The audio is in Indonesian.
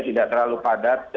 tidak terlalu padat